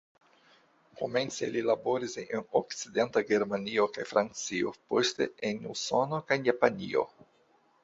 Komence li laboris en Okcidenta Germanio kaj Francio, poste en Usono kaj Japanio.